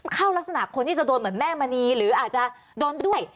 เข้ารักษณะคนที่จะโดนเหมือนแม่มณีหรืออาจจะโดนด้วย